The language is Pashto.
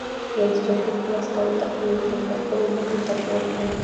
رئیس جمهور خپلو عسکرو ته امر وکړ؛ په خپلو مټو تکیه وکړئ!